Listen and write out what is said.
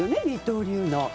二刀流の。